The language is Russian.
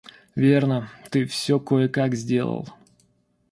Верно, ты всё кое-как сделал.